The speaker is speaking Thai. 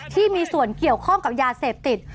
ที่มีส่วนเกี่ยวข้องกับยาเสพติด